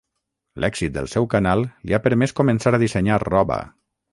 L'èxit del seu canal li ha permès començar a dissenyar roba.